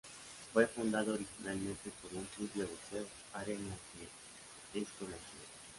Fue fundado originalmente como un club de boxeo, área en la que es conocida.